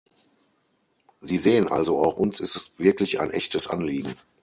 Sie sehen also, auch uns ist es wirklich ein echtes Anliegen.